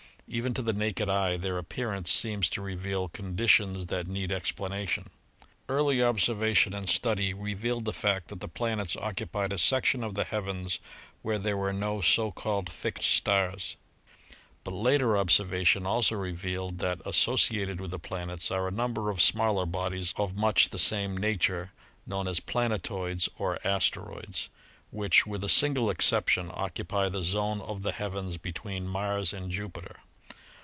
Even to the naked eye their appearance seems to reveal conditions that need explanation. Early observation and study revealed the 57 58 ASTRONOMY fact that the planets occupied a section of the heavens where there were no so called "fixed" stars. But later ob servation also revealed that, associated with the planets, are a number of smaller bodies of much the same nature known as "planetoids," or "asteroids," which, with a single exception, occupy the zone of the heavens between Mars and Jupiter.